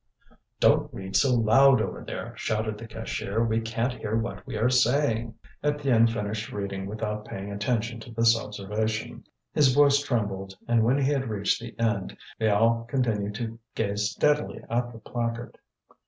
"Don't read so loud over there," shouted the cashier. "We can't hear what we are saying." Étienne finished reading without paying attention to this observation. His voice trembled, and when he had reached the end they all continued to gaze steadily at the placard.